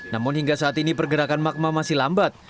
namun hingga saat ini pergerakan magma masih lambat